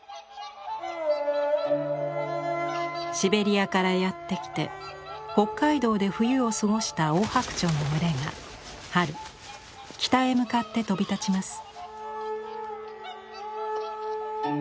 シベリアからやってきて北海道で冬を過ごしたオオハクチョウの群れが春北へ向かって飛び立ちます。